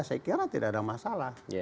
saya kira tidak ada masalah